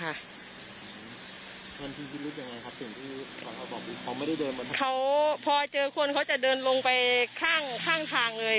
อย่างไรค่ะเพราะไม่ได้เดินเขาพอเจอคนเขาจะเดินลงไปข้างทางเลย